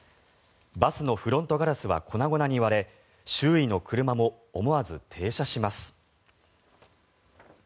バスのフロントガラスは粉々に割れ周囲の車も思わず停車します。